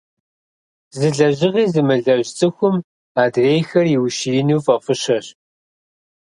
Зы лэжьыгъи зымылэжь цӀыхум адрейхэр иущиину фӀэфӀыщэщ.